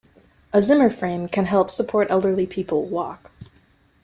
A zimmer-frame can help support elderly people walk.